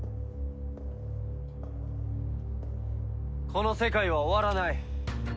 この世界は終わらない。